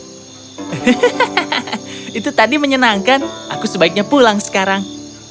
hahaha itu tadi menyenangkan aku sebaiknya pulang sekarang